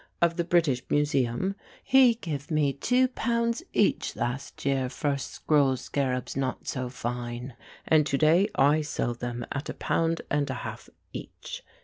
of the British Museum, he give me two pounds each last year for scroll scarabs not so fine, and to day I sell them at a pound and a half each.